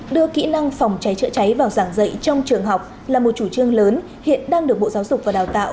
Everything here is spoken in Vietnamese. đưa kỹ năng phòng cháy chữa cháy vào giảng dạy trong trường học là một chủ trương lớn hiện đang được bộ giáo dục và đào tạo